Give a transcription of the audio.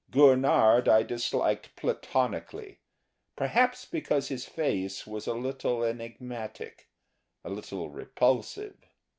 Gurnard I disliked platonically; perhaps because his face was a little enigmatic a little repulsive.